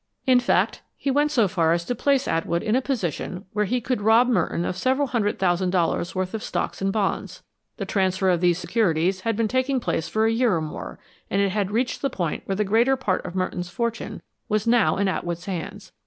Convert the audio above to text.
In fact, he went so far as to place Atwood in a position where he could rob Merton of several hundred thousand dollars worth of stocks and bonds. The transfer of these securities had been taking place for a year or more, and it had reached the point where the greater part of Merton's fortune was in Atwood's hands.